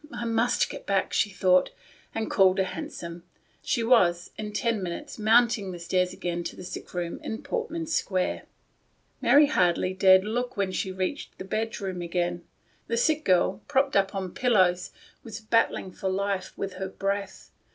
I must get back," she thought, and calling a hansom, she was, in ten minutes, mounting the stairs again to the sick room in Portman Square. Mary hardly dared look when she reached the bedroom again. The sick girl, propped up on pillows, was battling for life with her breath.